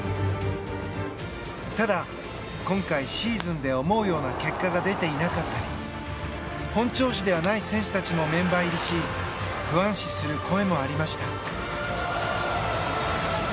ただ今回、シーズンで思うような結果が出ていなかったり本調子ではない選手たちもメンバー入りし不安視する声もありました。